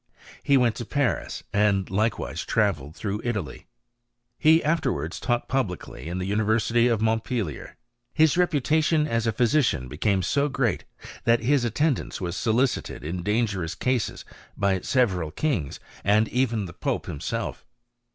He went to Paris, and likewise travelled through Italy. He afterwards taught publicly in the University of Mont pelier. His reputation as a physician became so great, that his attendance was solicited in dangerous cases by several kings, and even by the pope himself.